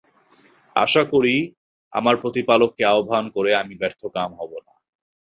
আশা করি, আমার প্রতিপালককে আহ্বান করে আমি ব্যর্থকাম হব না।